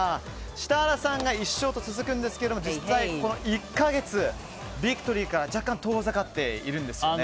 設楽さんが１勝と続くんですけども実際、この１か月ビクトリーから若干遠ざかっているんです。